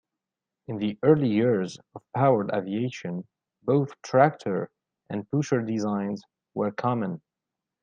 In the early years of powered aviation both tractor and pusher designs were common.